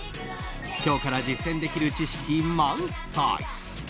今日から実践できる知識満載！